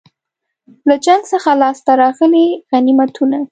له جنګ څخه لاسته راغلي غنیمتونه.